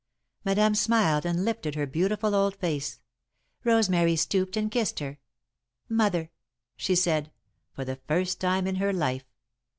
Madame smiled and lifted her beautiful old face. Rosemary stooped and kissed her. "Mother," she said, for the first time in her life.